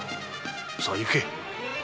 さあ行け！